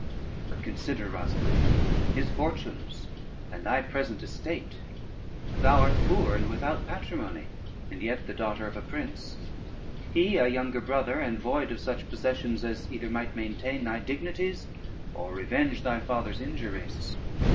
But consider, Rosalynde, his fortunes, and thy present estate: thou art poor and without patrimony, and yet the daughter of a prince; he a younger brother, and void of such possessions as either might maintain thy dignities or revenge thy father's injuries.